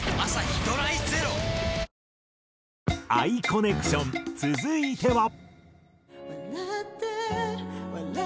「ＡＩコネクション」続いては。